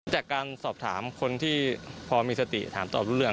จากการสอบถามคนที่พอมีสติถามตอบรู้เรื่อง